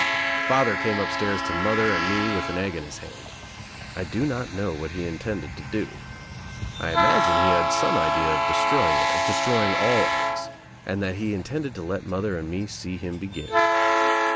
Father came upstairs to mother and me with an egg in his hand. I do not know what he intended to do. I Imagine he had some idea of destroying it, of destroying all eggs, and that he Intended to let mother and me see him begin.